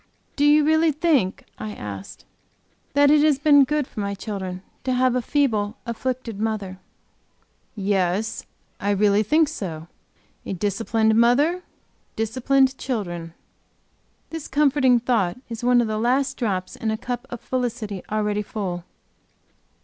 "Do you really think," I asked, "that it has been good for my children to have a feeble, afflicted mother?" "Yes, I really think so. A disciplined mother disciplined children." This comforting thought is one of the last drops in a cup of felicity already full.